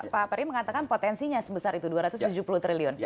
pak peri mengatakan potensinya sebesar itu dua ratus tujuh puluh triliun